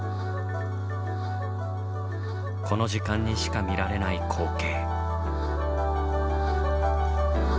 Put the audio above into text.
この時間にしか見られない光景。